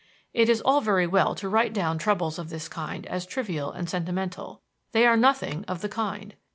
It is all very well to write down troubles of this kind as trivial and sentimental. They are nothing of the kind.